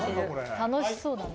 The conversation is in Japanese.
楽しそうだな。